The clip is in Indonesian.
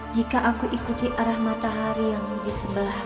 jika aku ikuti arah matahari yang di sebelah